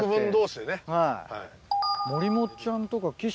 はい。